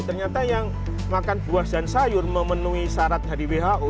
ternyata yang makan buah dan sayur memenuhi syarat dari who